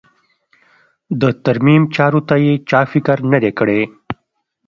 د ترمیم چارو ته یې چا فکر نه دی کړی.